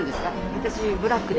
私ブラックで。